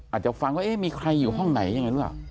อาจจะฟังว่าเอ๊ะมีใครอยู่ห้องไหนยังไงหรือเปล่า